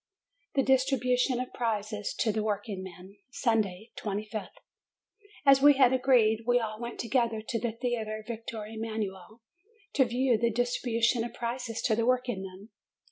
THE DISTRIBUTION OF PRIZES TO THE WORKINGMEN Sunday, 25th. As we had agreed, we all went together to the Theatre Victor Emanuel, to view the distribution of prizes to the workingmen.